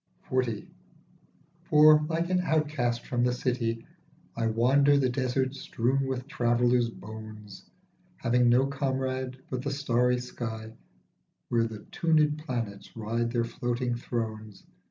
44 XL. FOR, like an outcast from the city, I Wander the desert strewn with travellers' bones, Having no comrade but the starry sky Where the tuned planets ride their floating thrones.